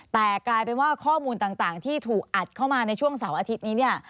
แต่กลายเป็นว่าข้อมูลต่างที่ถูกอัดเข้ามาในช่วงเสาร์อาทิตย์นี้เนี่ย